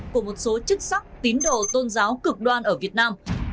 của một số chức sắc tín đồ tôn giáo cực đoan ở việt nam